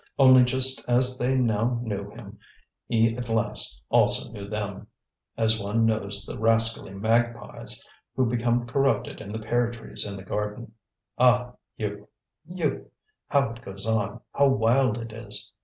Only just as they now knew him he at last also knew them, as one knows the rascally magpies who become corrupted in the pear trees in the garden. Ah! youth! youth! how it goes on, how wild it is!